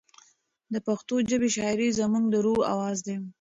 د پښتو ژبې شاعري زموږ د روح اواز دی.